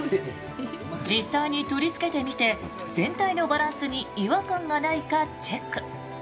実際に取り付けてみて全体のバランスに違和感がないかチェック。